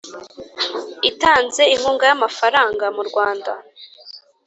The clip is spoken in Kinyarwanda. itanze inkunga y amafaranga mu Rwanda